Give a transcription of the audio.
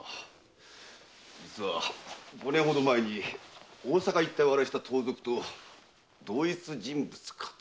じつは五年ほど前に大坂一帯を荒らした盗賊と同一人物かと。